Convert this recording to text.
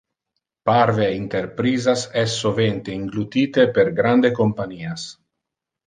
Parve interprisas es sovente inglutite per grande companias.